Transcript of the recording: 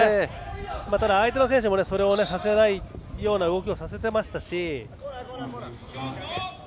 ただ、相手の選手もそれをさせないような動きをしていましたし。